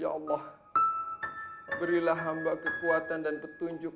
ya allah berilah hamba kekuatan dan petunjuk